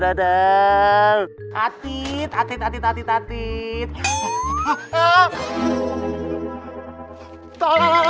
vijela hahaha padada dadel putih and tight